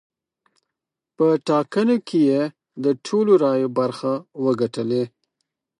په ټاکنو کې یې د ټولو رایو برخه وګټلې.